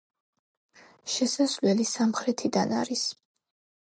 შესასვლელი სამხრეთიდან არის.